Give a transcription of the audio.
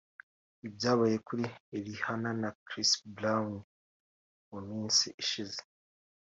ibyabaye kuri Rihanna na Chriss Brown mu minsi ishize